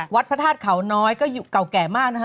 พระธาตุเขาน้อยก็เก่าแก่มากนะคะ